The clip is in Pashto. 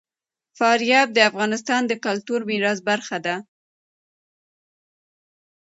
فاریاب د افغانستان د کلتوري میراث برخه ده.